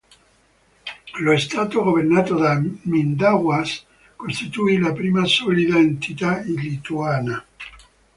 Lo stato governato da Mindaugas costituì la prima solida entità lituana.